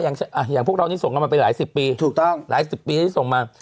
อย่างพวกเรานี่ส่งมาไปหลาย๑๐ปีถูกต้องหลาย๑๐ปีที่ส่งมา